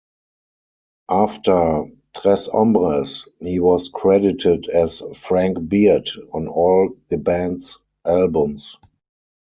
After "Tres Hombres", he was credited as "Frank Beard" on all the band's albums.